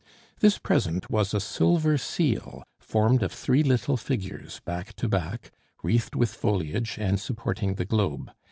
This present was a silver seal formed of three little figures back to back, wreathed with foliage, and supporting the Globe.